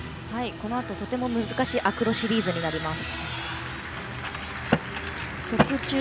とても難しいアクロシリーズになります。